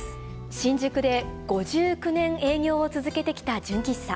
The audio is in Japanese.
新宿で、５９年営業を続けてきた純喫茶。